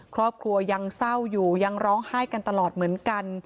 ครอบครัวยังเศร้าอยู่ยังร้องไห้กันตลอดเหมือนกัน